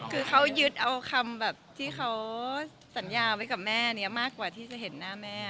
คือเขายึดเอาคำแบบที่เขาสัญญาไว้กับแม่นี้มากกว่าที่จะเห็นหน้าแม่